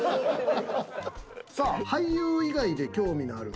さあ俳優以外で興味のあるお仕事。